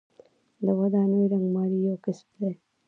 د ودانیو رنګمالي یو کسب دی